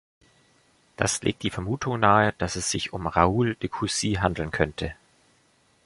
Das legt die Vermutung nahe, dass es sich um Raoul de Coucy handeln könnte.